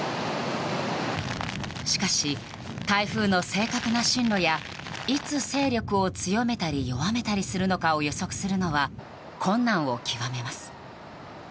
しかし、台風の正確な進路やいつ勢力を強めたり弱めたりするのかを予測するのは困難を極めます。